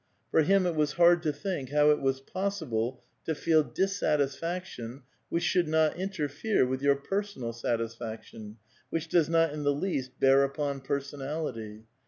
For him it was hard to think how it is possible to feel dissatisfaction which should not interfere with your personal satisfaction, which does not in the least bear upon personality.